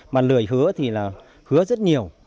mà lười hứa thì là hứa rất nhiều